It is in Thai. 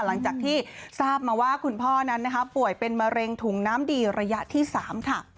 หลังจากที่ทราบมาว่าคุณพ่อนั้นนะคะป่วยเป็นมะเร็งถุงน้ำดีระยะที่๓ค่ะ